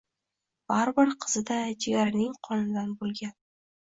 Baribir qizi-da, jigarining qonidan bo`lgan